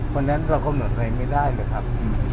คนนั้นเราก็เมื่อไหร่ไม่ได้เลยครับ